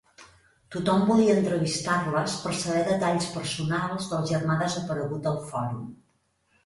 Tothom volia entrevistar-les per saber detalls personals del germà desaparegut al Fòrum.